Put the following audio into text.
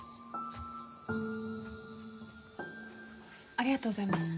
ありがとうございます。